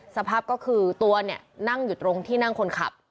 สภาพก็คือตัวเนี่ยนั่งอยู่ตรงที่นั่งคนขับ